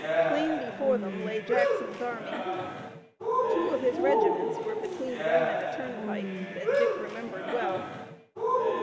Plain before them lay Jackson's army. Two of his regiments were between them and a turnpike that Dick remembered well.